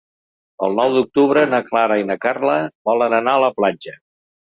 El nou d'octubre na Clara i na Carla volen anar a la platja.